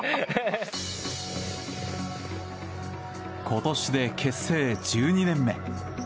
今年で結成１２年目。